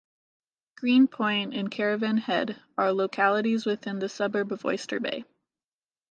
Green Point and Caravan Head are localities within the suburb of Oyster Bay.